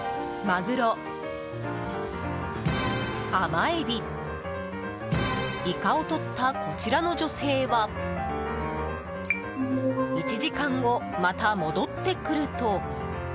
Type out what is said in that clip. マグロ、甘エビ、イカを取ったこちらの女性は１時間後また戻ってくると。